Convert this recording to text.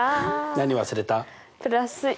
何忘れた？